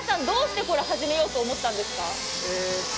どうしてこれを始めようと思ったんですか？